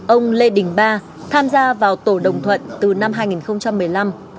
ông lê đình ba tham gia vào tổ đồng thuận từ năm hai nghìn một mươi năm